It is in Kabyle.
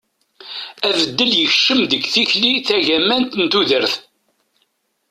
abeddel yekcem deg tikli tagamant n tudert